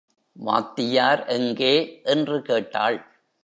வாத்தியார் எங்கே? என்று கேட்டாள்.